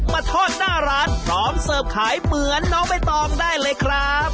มาทอดหน้าร้านพร้อมเสิร์ฟขายเหมือนน้องใบตองได้เลยครับ